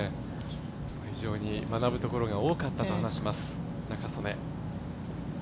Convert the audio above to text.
非常に学ぶところが多かったと話します、仲宗根。